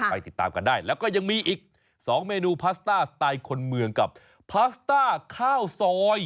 ติดตามกันได้แล้วก็ยังมีอีก๒เมนูพาสต้าสไตล์คนเมืองกับพาสต้าข้าวซอย